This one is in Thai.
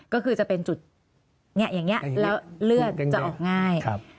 ก็คือจะเป็นจุดอย่างนี้แล้วเลือดจะออกง่าย